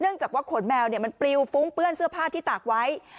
เนื่องจากว่าขนแมวเนี่ยมันปริวฟุ้งเปื้อนเสื้อผ้าที่ตากไว้